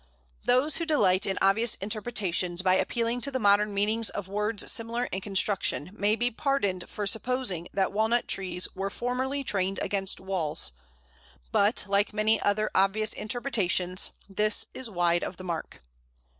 Those who delight in obvious interpretations by appealing to the modern meanings of words similar in construction may be pardoned for supposing that Walnut trees were formerly trained against walls; but, like many other obvious interpretations, this is wide of the mark.